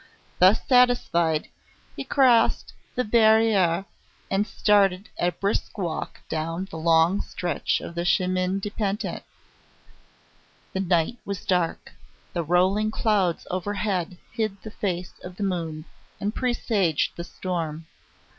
Thus satisfied, he crossed the Barriere and started at a brisk walk down the long stretch of the Chemin de Pantin. The night was dark. The rolling clouds overhead hid the face of the moon and presaged the storm.